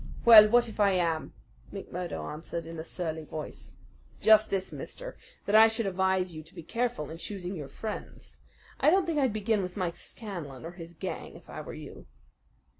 "Well, what if I am?" McMurdo answered in a surly voice. "Just this, mister, that I should advise you to be careful in choosing your friends. I don't think I'd begin with Mike Scanlan or his gang if I were you."